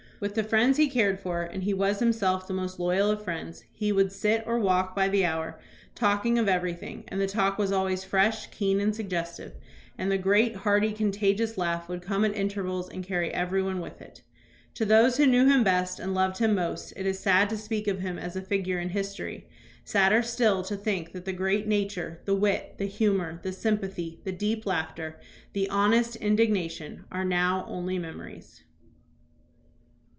With the friends he cared for, and he was him self the most loyal of friends, he would sit or walk by the hour, talking of everything; the talk was always fresh, keen, and suggestive, and the great, hearty, con tagious laugh would come at intervals and carry every one with it. To those who knew him best and loved him most it is sad to speak of him as a figure in history, sadder still to think that the great nature, the wit, the humor, the sympathy, the deep laughter, the honest indigna tion, are now only memories.